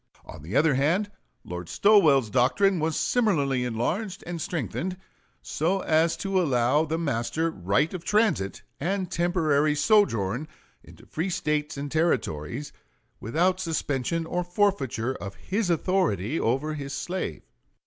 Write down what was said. On the other hand, Lord Stowell's doctrine was similarly enlarged and strengthened so as to allow the master right of transit and temporary sojourn in free States and Territories without suspension or forfeiture of his authority over his slave.